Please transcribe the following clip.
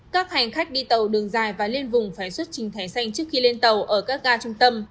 các hành khách đi tàu đường dài và lên vùng phải xuất trình thẻ xanh trước khi lên tàu ở các ga trung tâm